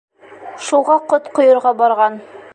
Шуға ҡот ҡойорға барған.